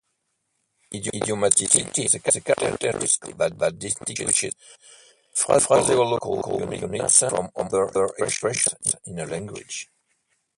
Idiomaticity is the characteristic that distinguishes phraseological units from other expressions in a language.